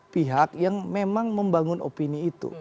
pihak yang memang membangun opini itu